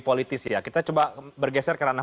politis ya kita coba bergeser ke ranah